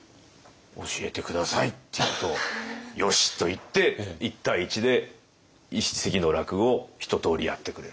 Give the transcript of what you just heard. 「教えて下さい」って言うと「よし」と言って１対１で一席の落語をひととおりやってくれるという。